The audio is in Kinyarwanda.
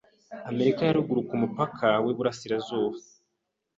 Amerika ya ruguru kumupaka wiburasirazuba